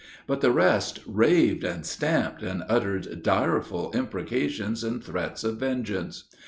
But the rest raved and stamped, and uttered direful imprecations and threats of vengeance.